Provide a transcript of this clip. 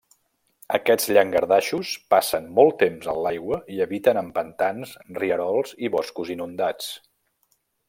Aquests llangardaixos passen molt temps en l'aigua i habiten en pantans, rierols i boscos inundats.